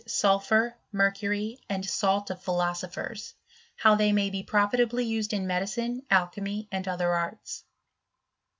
sulphur, mercury, and salt of phiksopheis ; how they may be profitably used in medicine, alchymy, and other arts.